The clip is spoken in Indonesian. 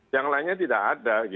yang lainnya tidak ada